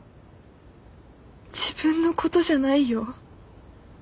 自分のことじゃないよ。